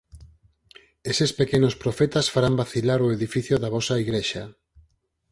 Eses pequenos profetas farán vacilar o edificio da vosa Igrexa.